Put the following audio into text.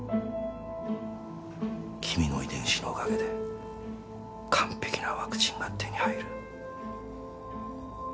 君の遺伝子のおかげで完璧なワクチンが手に入る。